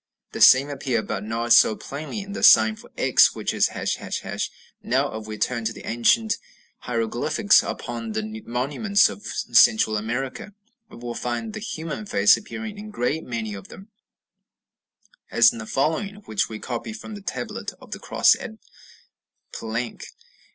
The same appear, but not so plainly, in the sign for x, which is ###. Now, if we turn to the ancient hieroglyphics upon the monuments of Central America, we will find the human face appearing in a great many of them, as in the following, which we copy from the Tablet of the Cross at Palenque.